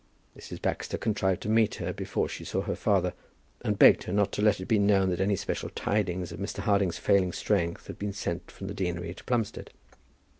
Mrs. Baxter contrived to meet her before she saw her father, and begged her not to let it be known that any special tidings of Mr. Harding's failing strength had been sent from the deanery to Plumstead.